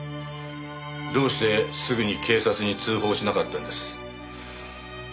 どうしてすぐに警察に通報しなかったんです？